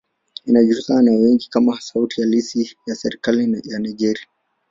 Inajulikana na wengi kama sauti halisi ya serikali ya Nigeria.